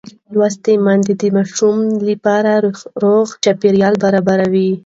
لوستې میندې د ماشوم لپاره روغ چاپېریال برابروي.